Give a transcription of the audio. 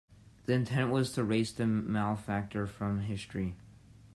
The intent was to erase the malefactor from history.